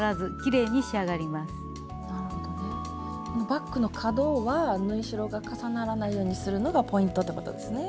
バッグの角は縫い代が重ならないようにするのがポイントってことですね。